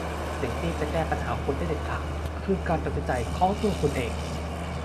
สิ่งที่จะแก้ปัญหาของคุณได้เด็ดขาดคือการตัดสินใจของตัวคุณเอง